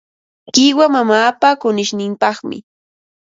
Qiwa mamaapa kunishninpaqmi.